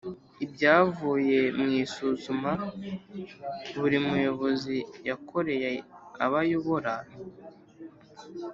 ibyavuye mu isuzuma buri muyobozi yakoreye abo ayobora